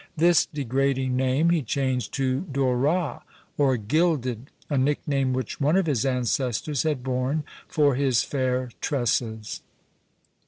This degrading name he changed to Dorat, or gilded, a nickname which one of his ancestors had borne for his fair tresses.